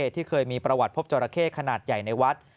ที่เคยมีประวัติพบจราเข้ขนาดใหญ่ในวัด